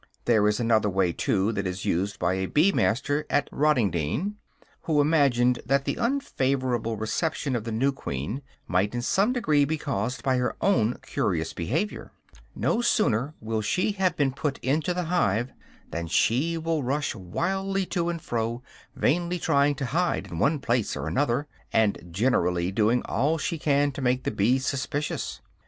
There is another way, too, that is used by a bee master at Rottingdean, who imagined that the unfavorable reception of the new queen might in some degree be caused by her own curious behavior. No sooner will she have been put into the hive than she will rush wildly to and fro, vainly trying to hide in one place or another, and generally doing all she can to make the bees suspicious.